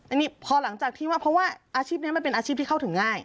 อันนี้พอหลังจากที่ว่าเพราะว่าอาชีพนี้มันเป็นอาชีพที่เข้าถึงง่าย